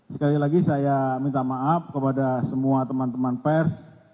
sekali lagi saya minta maaf kepada semua teman teman pers